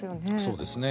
そうですね。